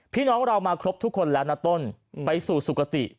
พี่น้องเรามาครบทุกคนแล้วนะต้นไปสู่สุขติ